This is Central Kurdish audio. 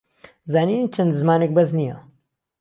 زانینی چەندزمانێک بەس نییە